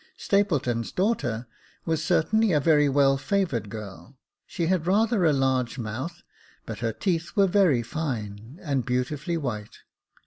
Stapleton's daughter •was certainly a very well favoured girl. She had rather a large mouth ; but her teeth were very fine, and beauti fully white.